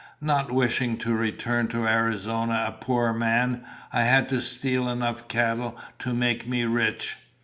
Not wishing to return to Arizona a poor man, I had to steal enough cattle to make me rich.